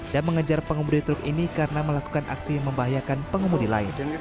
dan mengejar pengemudi truk ini karena melakukan aksi membahayakan pengemudi lain